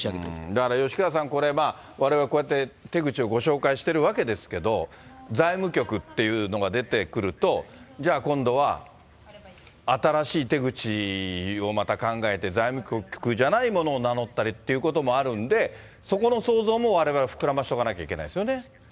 だから吉川さん、これまあ、われわれ、こうやって手口をご紹介しているわけですけれども、財務局っていうのが出てくると、じゃあ、今度は新しい手口をまた考えて、財務局じゃないものを名乗ったりっていうこともあるんで、そこの想像もわれわれ、膨らませておかなくちゃいけないですよね。